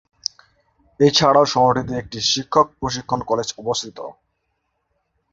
এছাড়াও শহরটিতে একটি শিক্ষক প্রশিক্ষণ কলেজ অবস্থিত।